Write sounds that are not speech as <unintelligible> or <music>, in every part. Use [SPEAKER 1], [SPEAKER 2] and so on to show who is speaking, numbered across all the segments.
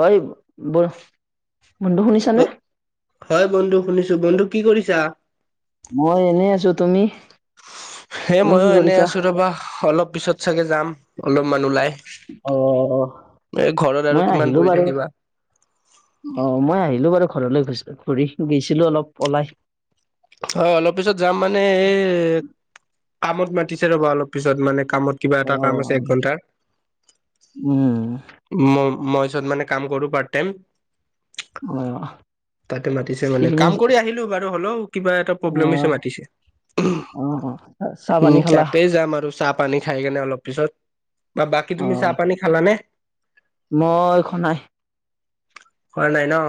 [SPEAKER 1] হয় বচ, মোৰটো শুনিছা?
[SPEAKER 2] অ হয় বন্ধু শুনিছো, বন্ধু কি কৰিছা?
[SPEAKER 1] মই এনেই আছো, তুমি?
[SPEAKER 2] হেই
[SPEAKER 1] তুমি কি
[SPEAKER 2] ময়ো এনে
[SPEAKER 1] কৰিছা?
[SPEAKER 2] আছো ৰবা, অলপ পিছত চাগে যাম অলপমান ওলাই।
[SPEAKER 1] অ',
[SPEAKER 2] এ ঘৰত আৰু
[SPEAKER 1] মই
[SPEAKER 2] কিমান
[SPEAKER 1] আহিলো
[SPEAKER 2] বহি
[SPEAKER 1] বাৰু।
[SPEAKER 2] থাকিবা
[SPEAKER 1] অ মই আহিলো বাৰু ঘৰলৈ ঘূৰি, গৈছিলো অলপ ওলাই।
[SPEAKER 2] অ অলপ পিছত যাম মানে এ কামত মাতিছে ৰ'বা, অলপ পিছত মানে কামত। কিবা
[SPEAKER 1] অ
[SPEAKER 2] এটা কাম আছে এক ঘন্টাৰ।
[SPEAKER 1] উম
[SPEAKER 2] ম মই যত মানে কাম কৰো পাৰ্ট টাইম,
[SPEAKER 1] অ
[SPEAKER 2] তাতে মাতিছে বোলে,
[SPEAKER 1] ইভিনিং
[SPEAKER 2] কাম কৰি আহিলো বাৰু হ'লেও কিবা এটা
[SPEAKER 1] অ
[SPEAKER 2] প্ৰব্লেম হৈছে মাতিছে।
[SPEAKER 1] অ অ চাহ
[SPEAKER 2] উ
[SPEAKER 1] পানী খালা?
[SPEAKER 2] তাতেই যাম আৰু চাহ পানী খাই কেনে অলপ পিছত। বা বাকী
[SPEAKER 1] অ
[SPEAKER 2] তুমি চাহ পানী খালানে?
[SPEAKER 1] মই খোৱা নাই
[SPEAKER 2] খোৱা নাই ন?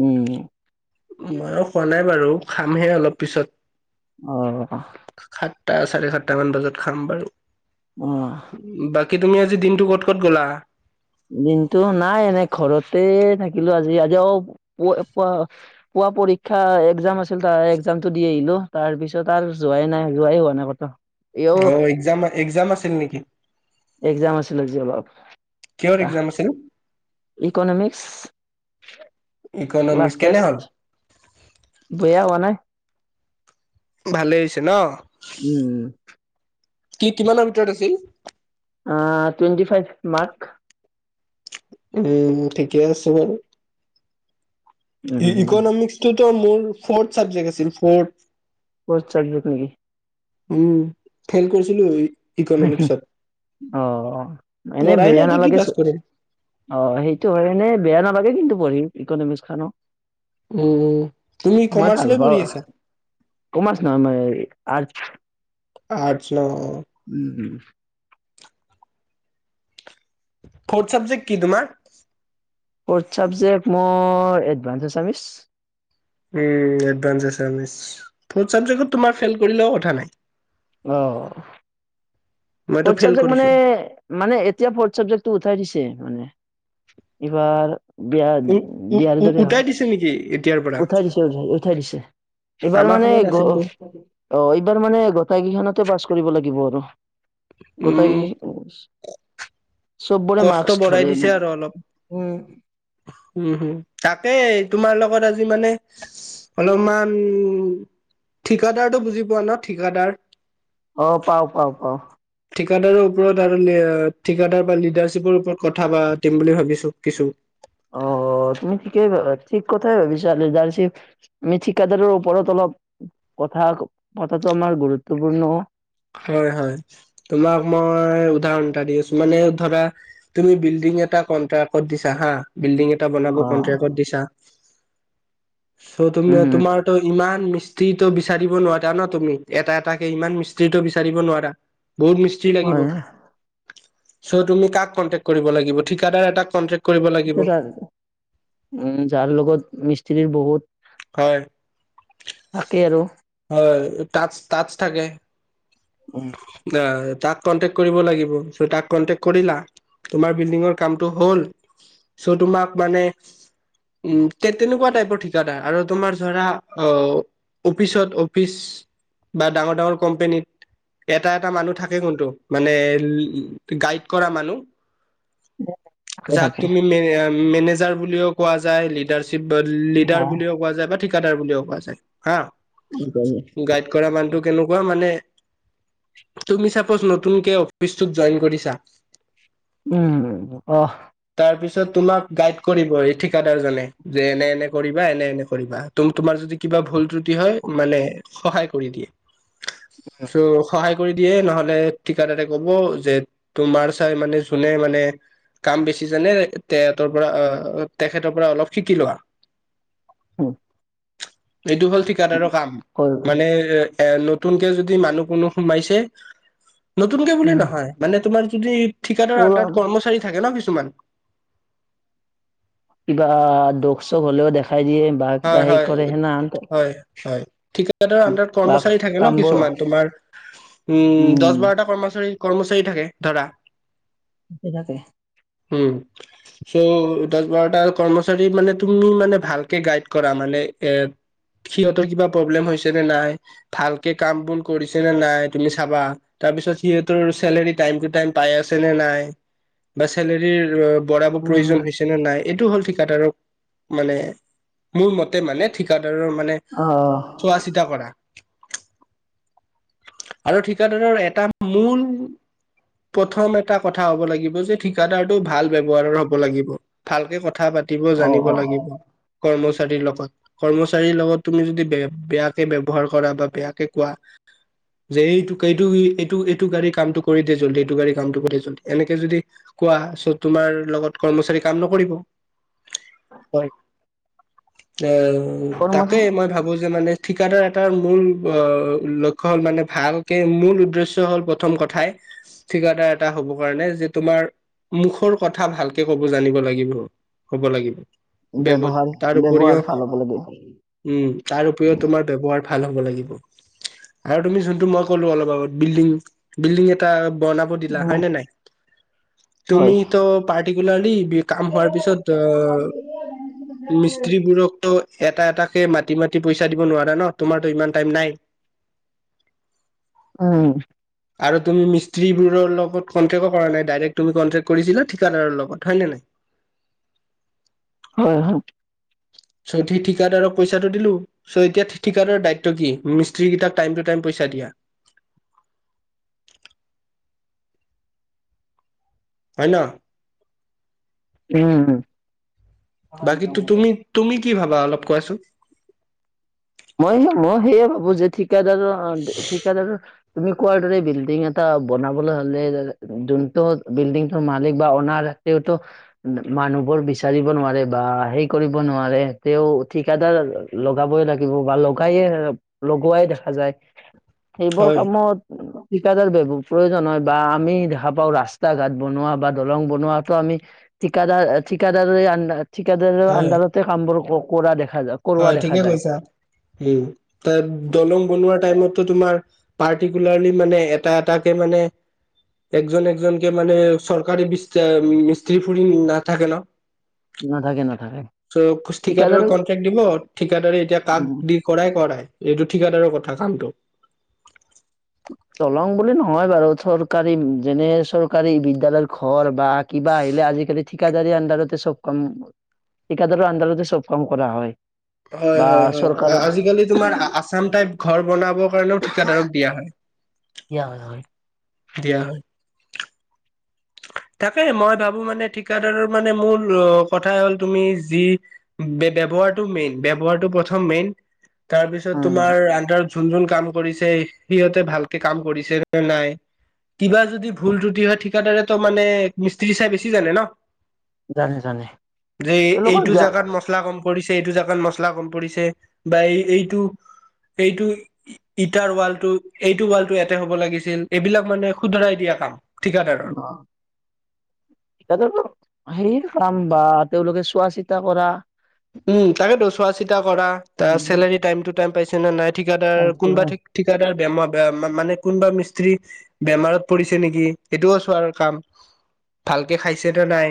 [SPEAKER 1] উম।
[SPEAKER 2] মইও খোৱা নাই বাৰু, খামহে অলপ পিছত।
[SPEAKER 1] অ'।
[SPEAKER 2] সাতটা চাৰে সাতটা মান বজাত খাম বাৰু।
[SPEAKER 1] অ'।
[SPEAKER 2] বাকী তুমি আজি দিনটো ক'ত ক'ত গ'লা?
[SPEAKER 1] দিনটো নাই এনে ঘৰতে থাকিলো আজি আজি অ প প পুৱা পৰীক্ষা এক্জাম আছিল তাৰ এক্জামটো দি আহিলো, তাৰ পিছত আৰু যোৱাই নাই যোৱাই হোৱা নাই ক'তো। এও
[SPEAKER 2] অ এক্জাম এক্জাম আছিল নেকি?
[SPEAKER 1] এক্জাম আছিল আজি অলপ
[SPEAKER 2] কিহৰ
[SPEAKER 1] এটা
[SPEAKER 2] এক্জাম আছিল?
[SPEAKER 1] ইকনমিক্স, ক্লাছ
[SPEAKER 2] ইকনমিক্স কেনে
[SPEAKER 1] টেষ্ট।
[SPEAKER 2] হ'ল?
[SPEAKER 1] বেয়া হোৱা নাই।
[SPEAKER 2] ভালেই হৈছে ন।
[SPEAKER 1] উম উম'।
[SPEAKER 2] কি কিমানৰ ভিতৰত আছিল?
[SPEAKER 1] অঁ টুৱেণ্টি ফাইভ মাৰ্ক।
[SPEAKER 2] উম' ঠিকেই আছে বাৰু।
[SPEAKER 1] উম
[SPEAKER 2] ইকনমিক্সটোতো মোৰ ফৰ্থ ছাবজেক্ট আছিল ফৰ্থ।
[SPEAKER 1] ফৰ্থ চাবজেক্ট নেকি?
[SPEAKER 2] উম' ফেল কৰিছিলো এবেলি।
[SPEAKER 1] অঁ অঁ এনেই
[SPEAKER 2] পঢ়াই নাই
[SPEAKER 1] বেয়া
[SPEAKER 2] এতিয়া কি পাছ
[SPEAKER 1] নেলাগিছিল।
[SPEAKER 2] কৰিম
[SPEAKER 1] অ' সেইটো হয়, এনেই বেয়া নালাগে কিন্তু পঢ়ি ইকনমিক্স খনো।
[SPEAKER 2] উম উম, তুমি
[SPEAKER 1] ভাল
[SPEAKER 2] কমাৰ্চ লৈ
[SPEAKER 1] পাওঁ
[SPEAKER 2] পঢ়ি আছা।
[SPEAKER 1] কমাৰ্চ নহয় মই আৰ্টছ।
[SPEAKER 2] আৰ্টছ ন অঁ।
[SPEAKER 1] উম' উম'।
[SPEAKER 2] ফ'ৰ্থ ছাবজেক্ট কি তোমাৰ?
[SPEAKER 1] ফ'ৰ্থ ছাবজেক্ট মোৰ এডভান্স আচামিছ।
[SPEAKER 2] উম' এডভান্স আচামিছ ফ'ৰ্থ ছাবজেক্ট তোমাৰ ফেইল কৰিলেও কথা নাই।
[SPEAKER 1] অঁ
[SPEAKER 2] মইতো
[SPEAKER 1] ফ'ৰ্থ
[SPEAKER 2] ফেইল
[SPEAKER 1] ছাবজেক্ট
[SPEAKER 2] কৰিছো।
[SPEAKER 1] মানে- মানে এতিয়া ফ'ৰ্থ চাবজেক্টটো উঠাই দিছে মানে। এইবাৰ- বিয়া বিয়াৰ দৰে হল।
[SPEAKER 2] টো নিকি? এইট-
[SPEAKER 1] উঠাই দিছে উঠাই দিছে, এইবাৰ
[SPEAKER 2] আমাৰ
[SPEAKER 1] মানে
[SPEAKER 2] সময়ত
[SPEAKER 1] গ-
[SPEAKER 2] আছিলতো
[SPEAKER 1] অ' এইবাৰ মানে গোটেইকেইখনতে পাছ কৰিব লাগিব আৰু,
[SPEAKER 2] উম
[SPEAKER 1] গোটেই- চববৰে
[SPEAKER 2] কষ্ট
[SPEAKER 1] মাস্ক
[SPEAKER 2] বঢ়াই
[SPEAKER 1] ধৰে,
[SPEAKER 2] দিছে আৰু অলপ
[SPEAKER 1] উম'।
[SPEAKER 2] উম উম' তাকেই তোমাৰ লগত আজি মানে- অলমান ঠিকাদাৰটো বুজি পোৱা ন ঠিকাদাৰ?
[SPEAKER 1] অঁ পাওঁ পাওঁ পাওঁ।
[SPEAKER 2] ঠিকাদাৰৰ ওপৰত আৰু ঠিকাদাৰ বা লিডাৰচ- চিবৰ ওপৰত কথা পাতিম বুলি ভাবিছো কিছু।
[SPEAKER 1] অ অ, তুমি ঠিকেই ঠিক কথাই ভাবিছা লিডাৰৰ্চিপ- আমি ঠিকাদাৰৰ ওপৰত অলপ কথা পতাটো আমাৰ গুৰুত্বপূৰ্ণ।
[SPEAKER 2] হয় হয়, তোমাক মই উদাহৰণ এটা দি আছো, মানে ধৰা- তুমি বিল্ডিং এটা কন্ট্ৰেক্টত দিছা হাঁ, বিল্ডিং এটা বনাব
[SPEAKER 1] অ'।
[SPEAKER 2] কন্ট্ৰেক্টত দিছা। চ' তুমি
[SPEAKER 1] উম, হম।
[SPEAKER 2] তোমাৰ- ত' ইমান মিস্ত্ৰীটো বিচাৰিব নোৱাৰা ন তুমি, এটা এটাকে ইমান মিস্ত্ৰী- ট্ৰিটো বিচাৰিব নোৱাৰা, বহুত মিস্ত্ৰী
[SPEAKER 1] হয়,
[SPEAKER 2] লাগিব। চ' তুমি কাক কন্টেক্ কৰিব লাগিব? ঠিকাদাৰ এটা কণ্টেক্-
[SPEAKER 1] ঠিকাদাৰ, উম' যাৰ লগত মিস্ত্ৰীৰ বহুত-
[SPEAKER 2] হয়,
[SPEAKER 1] থাকে আৰু
[SPEAKER 2] হয়, টাচ টাচ থাকে।
[SPEAKER 1] উম'।
[SPEAKER 2] অ তাক কণ্টেক্ট কৰিব লাগিব, চ' তাক কণ্টেক্ট কৰিলা। তোমাৰ বিল্ডিঙৰ কামটো হ'ল, চ' তোমাক মানে- উম' তে তেনেকুৱা টাইপৰ ঠিকা- আ আৰু তোমাৰ ধৰা, অ অফিচত অফিচ- বা ডাঙৰ ডাঙৰ কম্পেনীত। এটা এটা মানুহ থাকে কোনটো, মানে গাইড কৰা মানুহ।
[SPEAKER 1] থাকে
[SPEAKER 2] যাক
[SPEAKER 1] থাকে।
[SPEAKER 2] তুমি মে মেনেজাৰ বুলিও কোৱা যায়। লিডাৰৰ্চিপ লিডাৰ বুলিও কোৱা যায়, বা ঠিকাদাৰ বুলিও কোৱা যায় হা। গাইড কৰা মানুহটো কেনেকুৱা মানে। তুমি চাগৈ নতুনকে অফিচটোত জইন কৰিছা।
[SPEAKER 1] উম' অহ।
[SPEAKER 2] তাৰপিছত তোমাক গাইড কৰিব এই ঠিকাদাৰ জনে, যে এনে এনে কৰি বা এনে এনে কৰিবা, তো তোমাৰ যদি কিবা ভুল ত্ৰুটি হয়, মানে সহায় কৰি দিয়ে। চ' সহায়। কৰি দিয়ে নহ'লে, ঠিকাদাৰে ক'ব যে, তোমাৰ চাই মানে, যোনে মানে কাম বেছি জানে, তেঁহেতৰ পৰা, তেখেতৰ পৰা অলপ শিকি লোৱা।
[SPEAKER 1] উম।
[SPEAKER 2] এইটো হ'ল ঠিকাদাৰৰ কাম। মানে এ নতুনকে যদি মানুহ কোনো সোমাইছে। নতুনকে বুলি
[SPEAKER 1] উম,
[SPEAKER 2] নহয়। মানে তোমাৰ যদি, ঠিকাদাৰ
[SPEAKER 1] পুৰা
[SPEAKER 2] আণ্ডাৰত কৰ্মচাৰী থাকে ন' কিছুমান।
[SPEAKER 1] কিবা দোষ, চোষ হ'লেও দেখাই দিয়ে, বা কিবা
[SPEAKER 2] হয়
[SPEAKER 1] হৈ
[SPEAKER 2] হয়
[SPEAKER 1] কৰে, সেনা হান ত
[SPEAKER 2] হয়, হয়। ঠিকাদৰৰ আন্দাৰত
[SPEAKER 1] বা
[SPEAKER 2] কৰ্মচাৰী থাকে ন
[SPEAKER 1] কামবোৰ
[SPEAKER 2] কিছুমান। তোমাৰ উম, দহ
[SPEAKER 1] উম,
[SPEAKER 2] বাৰটা কৰ্মচাৰী, কৰ্মচাৰী থাকে ধৰা।
[SPEAKER 1] কিবাকে।
[SPEAKER 2] উম, চ' দহ-বাৰটা কৰ্মচাৰী মানে তুমি মানে ভালকে গাইড কৰা মানে এ, সিহঁতৰ কিবা প্ৰব্লেম হৈছে নে নাই? ভালকে কাম-বন কৰিছে নে নাই, তুমি চাবা? তাৰপিছত সিহঁতৰ চেলেৰী টাইম টু টাইম পাই আছে নে নাই, বা চেলেৰীৰ বঢ়াব
[SPEAKER 1] উম,
[SPEAKER 2] প্ৰয়োজন হৈছে নে নাই, এইটো হ'ল ঠিকাদাৰক, মানে মোৰ মতে মানে, ঠিকাদাৰৰ মানে
[SPEAKER 1] অ'।
[SPEAKER 2] চোৱা চিতা কৰা। আৰু ঠিকাদাৰৰ এটা মূল। প্ৰথম এটা কথা হ'ব লাগিব যে, ঠিকাদাৰ টো ভাল ব্যৱহাৰৰ হ'ব লাগিব। ভালকে কথা পাতিব
[SPEAKER 1] অ',
[SPEAKER 2] জানিব
[SPEAKER 1] অ',
[SPEAKER 2] লাগিব। কৰ্মচাৰীৰ লগত। কৰ্মচাৰীৰ লগত তুমি যদি বে, বেয়াকে ব্যৱহাৰ কৰা, বা বেয়াকে কোৱা। যে এইটোক, এইটো, এইটো, এইটো গাড়ীৰ কামটো কৰি দে জল্দি। এইটো গাড়ী কামটো কৰি জল্দি। এনেকে যদি কোৱা, চ' তোমাৰ লগত কৰ্মচাৰী কাম নকৰিব।
[SPEAKER 1] হয়।
[SPEAKER 2] এ
[SPEAKER 1] কৰ্মচা
[SPEAKER 2] তাকে, মই ভাবোঁ যে মানে ঠিকাদাৰ এটাৰ মূল অ', লক্ষ্য হ'ল মানে, ভাল কে, মূল উদ্দেশ্য হ'ল প্ৰথম কথাই। ঠিকাদাৰ এটা হ'ব কাৰণে যে, তোমাৰ মুখৰ কথা ভালকে ক'ব জানিব লাগিব। ক'ব লাগিব। ব্যৱ
[SPEAKER 1] ব্যৱহাৰ।
[SPEAKER 2] তাৰ
[SPEAKER 1] ব্যৱহাৰ
[SPEAKER 2] উপৰিও,
[SPEAKER 1] ভাল হ'ব লাগে।
[SPEAKER 2] উম' তাৰ উপৰিও তোমাৰ ব্যৱহাৰ ভাল হ'ব লাগিব। আৰু তুমি যোনটো মই ক'লোঁ অলপ আগত। বিল্ডিং, বিল্ডিং এটা বনা ব দিলা,
[SPEAKER 1] উম,
[SPEAKER 2] হয় নে নাই? তুমি ত' পাৰ্টিকুলাৰলি বি কাম হোৱাৰ পিছত, অ'
[SPEAKER 1] হয়।
[SPEAKER 2] মিস্ত্ৰী বোৰকটো এটা এটাকে মাতি মাতি পইচা দিব নোৱাৰে ন। তোমাৰটো ইমান টাইম নাই।
[SPEAKER 1] উম।
[SPEAKER 2] আৰু তুমি মিস্ত্ৰীবোৰৰ লগত কনক্টেও কৰা নাই। ডাইৰেক্ট তুমি কনটেক্ট কৰিছিলা ঠিকাদাৰৰ লগত হয় নে নাই
[SPEAKER 1] হয় হয়।
[SPEAKER 2] চ, ঠি ঠিকাদাৰক পইচাটো দিলোঁ। চ' এতিয়া ঠি, ঠিকাদাৰৰ দায়িত্ব কি মিস্ত্ৰীকেইটাক টাইম টু টাইম পইচা দিয়া। পাৰি ল
[SPEAKER 1] উম।
[SPEAKER 2] বাকীটো তুমি তুমি কি ভাবা, অলপ কোৱাচোন
[SPEAKER 1] মই সেই, মই সেইয়ে ভাবোঁ যে ঠিকাদাৰৰ, অহ ঠিকাদাৰৰ তুমি কোৱাৰ দৰে বিল্ডিং এটা বনাবলৈ হ'লে, যে, যোনটো বিল্ডিংটোৰ মালিক বা অনাৰ তেওঁটো ম' মানুহবোৰ বিচাৰিব নোৱাৰে, বা, সেই কৰিব নোৱাৰে, তেওঁ ঠিকাদাৰ লগাবই লা থাকিব বা, লগাইয়ে, লগোৱাই দেখা যায়। সেইবোৰ
[SPEAKER 2] হয়
[SPEAKER 1] কামত ঠিকাদাৰ বি প্ৰয়োজন হয় বা আমি দেখা পাওঁ ৰাস্তা ঘাট বনোৱা বা দলং বনোৱাটো আমি ঠিকাদাৰ ঠিকাদাৰ আন ঠিকাদাৰৰ
[SPEAKER 2] হয়
[SPEAKER 1] আণ্ডাৰতে কামবোৰ ক কৰা দেখা যায় কৰোৱা
[SPEAKER 2] হয়
[SPEAKER 1] দেখা
[SPEAKER 2] ঠিকে
[SPEAKER 1] যায়।
[SPEAKER 2] কৈছা উম দলং বনোৱা টাইমটো তোমাৰ পাৰ্টিকুলাৰলি মানে এটা এটাকে মানে একজন একজনকে মানে চৰকাৰী বিচ মিস্ত্ৰী ফুৰি নাথাকে ন
[SPEAKER 1] নাথাকে নাথাকে
[SPEAKER 2] চ পুষ্টিকাৰ
[SPEAKER 1] ঠিকাদাৰ
[SPEAKER 2] ক দিব ঠিকাদাৰে এতিয়া কাক
[SPEAKER 1] উম
[SPEAKER 2] দি কৰাই কৰাই এইটো ঠিকাদাৰৰ কথা কামটো
[SPEAKER 1] দলং বুলি নহয় বাৰু চৰকাৰী যেনে চৰকাৰী বিদ্যালয় ঘৰ বা কিবা আহিলে আজিকালি ঠিকাদাৰী আণ্ডাৰতে চব কাম ঠিকাদাৰৰ আণ্ডাৰতে চব কাম কৰা হয়
[SPEAKER 2] হয়
[SPEAKER 1] বা
[SPEAKER 2] হয় হয়
[SPEAKER 1] চৰকাৰ
[SPEAKER 2] আজিকালি তোমাৰ আছাম টাইপ ঘৰ বনাবৰ কাৰণেও ঠিকাদাৰক দিয়া হয়
[SPEAKER 1] দিয়া হয় হয়
[SPEAKER 2] দিয়া হয় তাকে মই ভাবো মানে ঠিকাদাৰৰ মানে মূল কথা হ'ল তুমি যি ব্য ব্যৱহাৰটো মেইন ব্যৱহাৰটো প্ৰথম মেইন তাৰপিছত
[SPEAKER 1] উম
[SPEAKER 2] তোমাৰ আণ্ডাৰ যোন যোন কাম কৰিছে সিহঁতে ভালকে কাম কৰিছে নে নাই কিবা যদি ভুল স্ৰুটি হয় ঠিকাদৰে ত মানে মিস্ত্ৰী চাই বেছি জানে ন
[SPEAKER 1] জানে জানে
[SPEAKER 2] যে
[SPEAKER 1] তেওঁলোকৰ
[SPEAKER 2] এইটো জেগাত মচলা কম পৰিছে এইটো জেগাত মচলা কম পৰিছে বা এই এইটো এইটো ই ইটাৰ ৱালটো এইটো ৱালটো এইয়াতে হব লাগিছিল এইবিলাক মানে শুধৰাই দিয়া কাম ঠিকাদাৰৰ
[SPEAKER 1] অ এইটো হেৰি কাম বা তেওঁলোকে চোৱা চিতা কৰা
[SPEAKER 2] উম তাকেতো চোৱা চিতা কৰা তা চেলাৰী টাইম টু টাইম পাইছে নে নাই ঠিকাদাৰ কোনোবা ঠি ঠিকাদাৰ বেমা বে মানে কোনোবা মিস্ত্ৰী বেমাৰত পৰিছে নেকি সেইটোও চোৱাৰ কাম ভালকে খাইছে নে নাই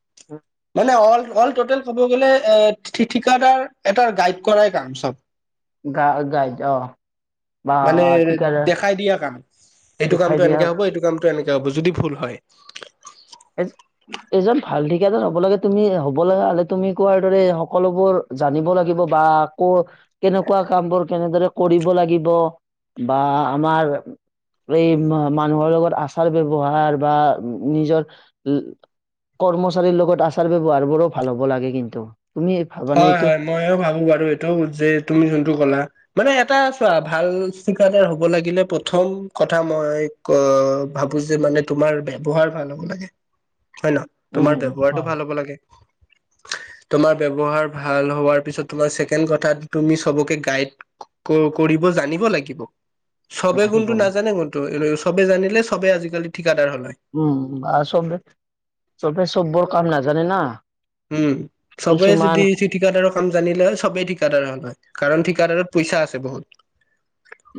[SPEAKER 1] <unintelligible>
[SPEAKER 2] মানে অল অল টোটেল ক'ব গ'লে এ ঠি ঠিকাদাৰ এটা গাইড কৰাই কাম চব
[SPEAKER 1] গা গাইড অ বা
[SPEAKER 2] মানে
[SPEAKER 1] ঠিকাদাৰ
[SPEAKER 2] দেখাই দিয়া কাম এইটো
[SPEAKER 1] দেখাই
[SPEAKER 2] কামটো
[SPEAKER 1] দিয়া
[SPEAKER 2] এনেকে হ'ব এইটো কাম এইটো এনেকে হ'ব যদি ভূল হয়
[SPEAKER 1] এ এজন ভাল ঠিকাদাৰ হ'ব লাগে তুমি হ'ব লগা হ'লে তুমি কোৱাৰ দৰে সকলোবোৰ জানিব লাগিব বা ক কেনেকুৱা কাম বোৰ কেনেদৰে কৰিব লাগিব বা আমাৰ এই ম- মানুহৰ লগত আচাৰ-ব্যৱহাৰ বা নিজৰ ল- কৰ্মচাৰীৰ লগত আচাৰ-ব্যৱহাৰবোৰো ভাল হ'ব লাগে কিন্তু। তুমি ভাবানে এইটো?
[SPEAKER 2] মইয়ো ভাবোঁ বাৰু এইটো যে তুমি যোনটো ক'লা মানে এটা চোৱা, ভাল চিকাদাৰ হ'ব লাগিলে প্ৰথম কথা মই ক- ভাবোঁ যে মানে তোমাৰ ব্যৱহাৰ ভাল হ'ব লাগে, হয় ন তোমাৰ
[SPEAKER 1] উম
[SPEAKER 2] ব্যৱহাৰটো
[SPEAKER 1] হয়
[SPEAKER 2] ভাল হব লাগে। তোমাৰ ব্য ৱহাৰ ভাল হোৱাৰ পিছত তোমাৰ ছেকেণ্ড কথাটো তুমি চবকে গাইড ক- কৰিব জানিব লাগিব। চবে গুণটো
[SPEAKER 1] লাগিব
[SPEAKER 2] নাজানে কোনটো, এনে চবে জানিলে চবে আজিকালি ঠিকাদাৰ হ'ল হয়।
[SPEAKER 1] উম আৰু চবে- চবে চবৰ কাম নাজানে না
[SPEAKER 2] উম, চবে
[SPEAKER 1] কিছুমান
[SPEAKER 2] যদি ঠিকাদাৰৰ কাম জানিলে চবেই ঠিকাদাৰ হ'ল হয়, কাৰণ ঠিকাদাৰত পইচা আছে বহুত।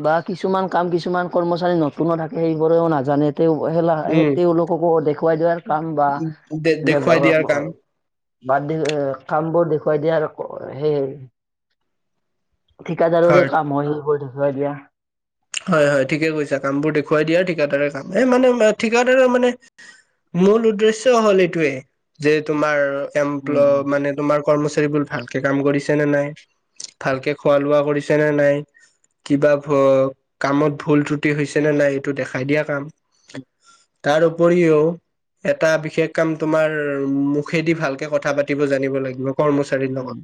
[SPEAKER 1] বা কিছুমান কাম, কিছুমান কৰ্মচাৰী নতুনো থাকে, সেইবোৰেও নাজানে তেও- সেলা-
[SPEAKER 2] উম
[SPEAKER 1] সেই তেওঁলোককো দেখুৱাই দিয়াৰ কাম বা
[SPEAKER 2] দে
[SPEAKER 1] লেব
[SPEAKER 2] দেখুৱাই দিয়াৰ কাম
[SPEAKER 1] <unintelligible> বাদ দ- অ- কামবোৰ দেখুৱাই দিয়া আৰু- সেই ঠিকাদাৰৰে কাম হয় সেইবোৰ দেখুৱাই দিয়া।
[SPEAKER 2] হয়, হয়, ঠিকে কৈছা, কামবোৰ দেখুৱাই দিয়া ঠিকাদাৰে কাম। এই মানে ম- ঠিকাদাৰে মানে মূল উদ্দেশ্য হ'ল এইটোৱে যে তোমাৰ
[SPEAKER 1] উম
[SPEAKER 2] এমপ্ল- মানে তোমাৰ কৰ্মচাৰীবোৰ ভালকে কাম কৰিছে নে নাই, ভালকে খোৱা-লোৱা কৰিছে নে নাই কিবা ভ- কামত ভুল ত্ৰুটি হৈছে নে নাই, এইটো দেখাই দিয়া কাম। তাৰ উপৰিও এটা বিশেষ কাম তোমাৰ মুখেদি ভালকে কথা পাতিব জানিব লাগিব কৰ্মচাৰীৰ
[SPEAKER 1] উম
[SPEAKER 2] লগত।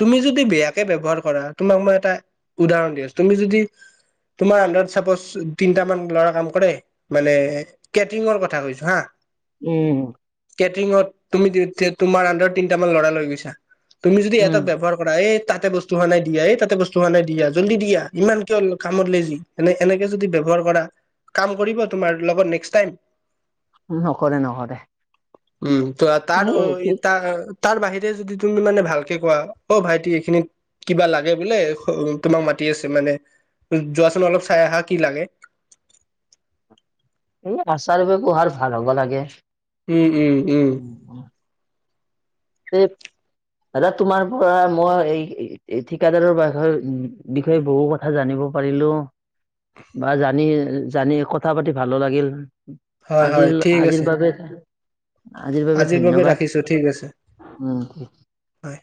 [SPEAKER 2] তুমি যদি বেয়াকে ব্যৱহাৰ কৰা, তোমাক মই এটা উদাহৰণ দি আছোঁ, তুমি যদি তোমাৰ আন্দাৰত চাপজ তিনটা মান ল'ৰা কাম কৰে মানে কেটৰিঙৰ কথা কৈছোঁ হা।
[SPEAKER 1] উম।
[SPEAKER 2] কেটৰিঙত তুমি ত- তোমাৰ আন্দাৰত তিনিটামান ল'ৰা লৈ গৈছা, তুমি যদি এটাক ব্যৱহাৰ কৰা, এই তাতে বস্তু হোৱা নাই দি আহ, এই তাতে বস্তু হোৱা নাই দি আহ, জল্দি দি আহ, ইমান কিয় কামত লে জি, এনে- এনেকে যদি ব্যৱহাৰ কৰা, কাম কৰিব তোমাৰ লগত নেক্স টাইম?
[SPEAKER 1] উম অকলে নকৰে।
[SPEAKER 2] উম ত আ- তাৰ
[SPEAKER 1] সেই
[SPEAKER 2] অই-
[SPEAKER 1] ঠিক
[SPEAKER 2] তা তাৰ বাহিৰে যদি তুমি মানে ভালকে কোৱা, অ' ভাইটি এইখিনি কিবা লাগে বোলে, খ- তোমাক মাতি আছে মানে, যোৱাচোন অলপ চাই আহা কি লাগে।
[SPEAKER 1] এই আচাৰ-ব্যৱহাৰ ভাল হ'ব লাগে।
[SPEAKER 2] উম, উম, উম।
[SPEAKER 1] এ দাদা, তোমাৰ পৰা মই এই- এই ঠিকাদাৰৰ বাষয়- বিষয়ে বহু ক থা জানিব পাৰিলোঁ, বা জানি- জানি কথা পাতি ভালো লাগিল।
[SPEAKER 2] হয় হয়
[SPEAKER 1] আজিল-
[SPEAKER 2] ঠিক আছে
[SPEAKER 1] আজিৰ বাবে
[SPEAKER 2] আজিৰ বাবে ৰাখিছোঁ, ঠিক আছে।
[SPEAKER 1] উম। <inaudible>
[SPEAKER 2] হয়।